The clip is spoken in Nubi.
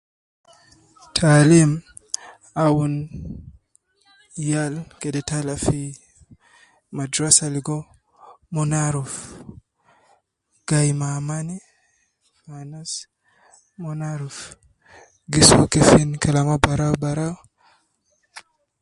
Taalim awunu yal kede tala fi madrasa logo mon arufu gayi ma amani kwesi mon aruf gi so kefin kalama baraubarau.